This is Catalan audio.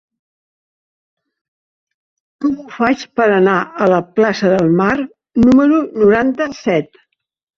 Com ho faig per anar a la plaça del Mar número noranta-set?